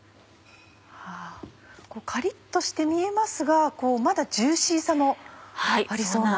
カリっとして見えますがまだジューシーさもありそうな。